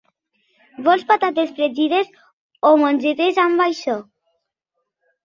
Vols patates fregides o mongetes amb això?